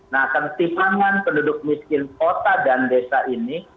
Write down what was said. nah ketimpangan penduduk miskin kota dan desa ini